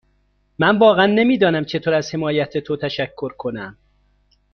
من واقعا نمی دانم چطور از حمایت تو تشکر کنم.